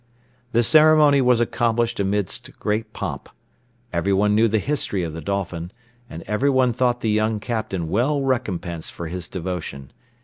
The ceremony was accomplished amidst great pomp. Everyone knew the history of the Dolphin, and everyone thought the young Captain well recompensed for his devotion.